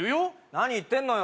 何言ってんのよ